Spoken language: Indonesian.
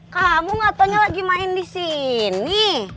kamu nggak taunya lagi main di sini